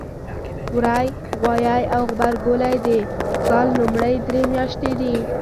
وری ، غوایی او غبرګولی د کال لومړۍ درې میاتشې دي.